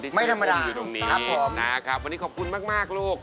ที่ชื่ออุ้มอยู่ตรงนี้นะครับวันนี้ขอบคุณมากลูกไม่ธรรมดาครับผม